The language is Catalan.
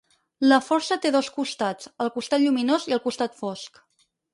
La Força té dos costats, el Costat Lluminós i el Costat Fosc.